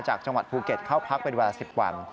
จังหวัดภูเก็ตเข้าพักเป็นเวลา๑๐วัน